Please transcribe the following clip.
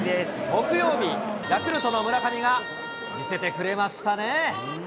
木曜日、ヤクルトの村上が見せてくれましたね。